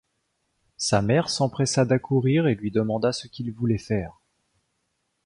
Sa mère s’empressa d’accourir et lui demanda ce qu’il voulait faire.